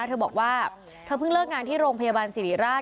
เธอบอกว่าเธอเพิ่งเลิกงานที่โรงพยาบาลสิริราช